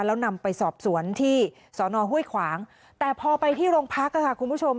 แล้วนำไปสอบสวนที่สอนอห้วยขวางแต่พอไปที่โรงพักค่ะคุณผู้ชม